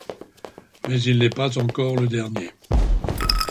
Mais il n’est pas encore le dernier.